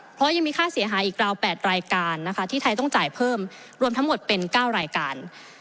เพราะยังมีค่าเสียหายอีกราว๘รายการนะคะที่ไทยต้องจ่ายเพิ่มรวมทั้งหมดเป็น๙รายการ